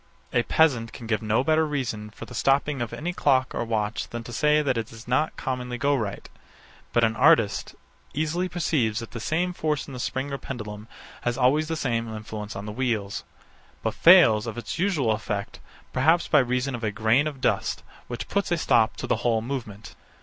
A peasant can give no better reason for the stopping of any clock or watch than to say that it does not commonly go right: But an artist easily perceives that the same force in the spring or pendulum has always the same influence on the wheels; but fails of its usual effect, perhaps by reason of a grain of dust, which puts a stop to the whole movement.